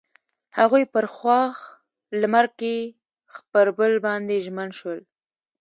هغوی په خوښ لمر کې پر بل باندې ژمن شول.